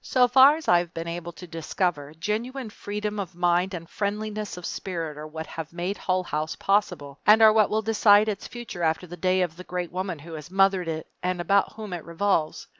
So far as I have been able to discover, genuine freedom of mind and friendliness of spirit are what have made Hull House possible and are what will decide its future after the day of the great woman who has mothered it and about whom it revolves.